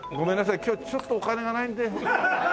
今日ちょっとお金がないんで。